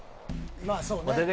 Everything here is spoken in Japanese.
まあ、そうね。